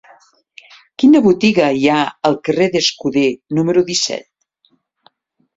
Quina botiga hi ha al carrer d'Escuder número disset?